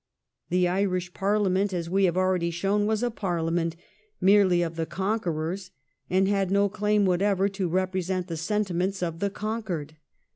The Irish Parlia ment, as we have already shown, was a Parliament merely of the conquerors, and had no claim whatever to represent the sentiments of the conquered.